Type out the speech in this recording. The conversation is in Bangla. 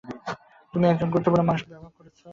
তুমি একজন গুরুত্বপূর্ণ মানুষকে ব্যবহার করেছ!